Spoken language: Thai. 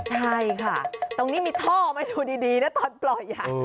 ใช่ค่ะตรงนี้มีท่อมาดูดีนะตอนปล่อย